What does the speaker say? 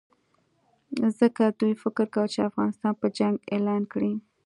ځکه دوی فکر کاوه چې افغانستان به جنګ اعلان کړي.